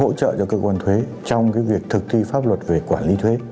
hỗ trợ cho cơ quan thuế trong việc thực thi pháp luật về quản lý thuế